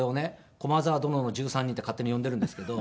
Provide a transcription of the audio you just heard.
「駒澤殿の１３人」って勝手に呼んでいるんですけど。